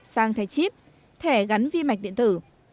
sang thẻ chip thẻ gắn vi mạch điện tử